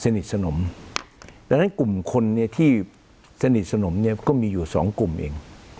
สนิทสนมดังนั้นกลุ่มคนเนี่ยที่สนิทสนมเนี่ยก็มีอยู่สองกลุ่มเอง